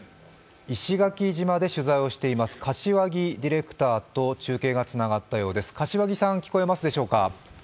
石垣島で取材をしています柏木ディレクターと中継がつながったようです。